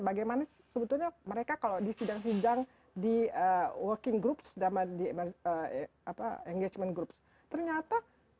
bagaimana sih sebetulnya mereka kalau di sidang sidang di working groups sama di engagement groups ternyata